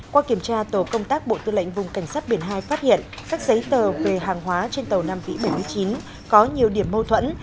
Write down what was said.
qua kiểm tra tổ công tác bộ tư lệnh vùng cảnh sát biển hai phát hiện các giấy tờ về hàng hóa trên tàu nam vĩ bảy mươi chín có nhiều điểm mâu thuẫn